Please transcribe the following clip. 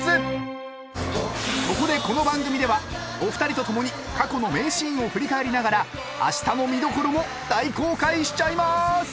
［そこでこの番組ではお二人と共に過去の名シーンを振り返りながらあしたの見どころを大公開しちゃいまーす！］